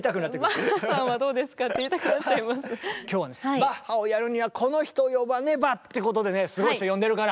バッハをやるにはこの人を呼ばねば！ってことでねすごい人呼んでるから。